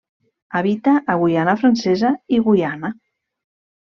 Habita a Guyana Francesa i Guyana.